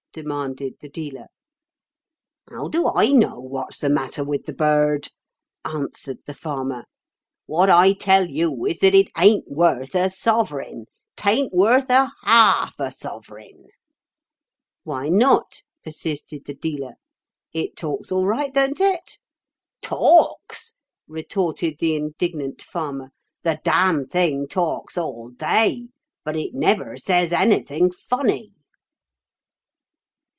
demanded the dealer. 'How do I know what's the matter with the bird?' answered the farmer. 'What I tell you is that it ain't worth a sovereign—'tain't worth a half a sovereign!' 'Why not?' persisted the dealer; 'it talks all right, don't it?' 'Talks!' retorted the indignant farmer, 'the damn thing talks all day, but it never says anything funny!